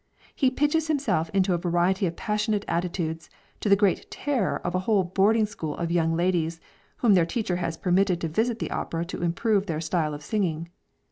He pitches himself into a variety of passionate attitudes, to the great terror of a whole boarding school of young ladies, whom their teacher has permitted to visit the opera to improve their style of singing.